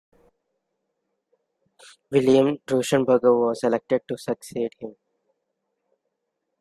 William Rauschenberger was elected to succeed him.